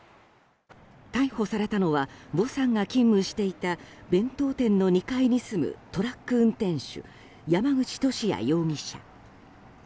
逮捕されたのはヴォさんが勤務していた弁当店の２階に住むトラック運転手山口利家容疑者。